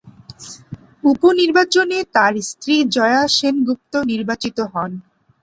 উপ-নির্বাচনে তার স্ত্রী জয়া সেনগুপ্ত নির্বাচিত হন।